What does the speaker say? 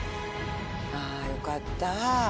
あよかった。